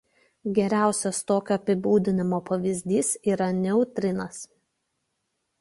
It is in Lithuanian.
Geriausias tokio apibūdinimo pavyzdys yra neutrinas.